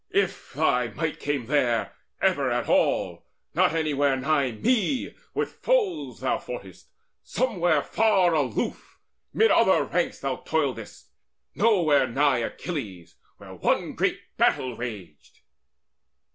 If thy might came there Ever at all, not anywhere nigh me With foes thou foughtest: somewhere far aloot Mid other ranks thou toiledst, nowhere nigh Achilles, where the one great battle raged."